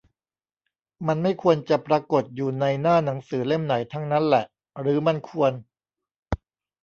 มันไม่ควรจะปรากฎอยู่ในหน้าหนังสือเล่มไหนทั้งนั้นแหละ หรือมันควร